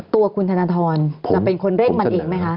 ตัวคุณธนทรจะเป็นคนเร่งมันเองไหมคะ